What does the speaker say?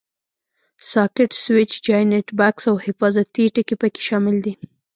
ساکټ، سویچ، جاینټ بکس او حفاظتي ټکي پکې شامل دي.